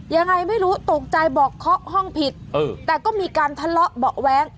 ยังไงไม่รู้ตกใจบอกเคาะห้องผิดแต่ก็มีการทะเลาะเบาะแว้ง